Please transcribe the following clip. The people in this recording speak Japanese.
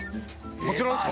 こちらですか？